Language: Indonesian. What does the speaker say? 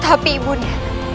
tapi ibu nda